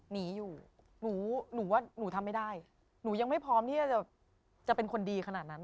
หนีอยู่หนูหนูว่าหนูทำไม่ได้หนูยังไม่พร้อมที่จะเป็นคนดีขนาดนั้น